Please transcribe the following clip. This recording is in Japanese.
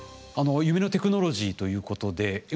夢のテクノロジーということで江守さん